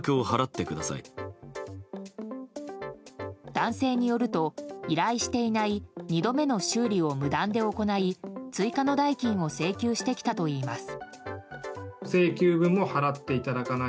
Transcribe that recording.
男性によると、依頼していない２度目の修理を無断で行い追加の代金を請求してきたといいます。